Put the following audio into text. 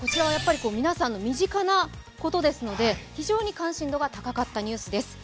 皆さんの身近なことですので、非常に関心度が高かったニュースです。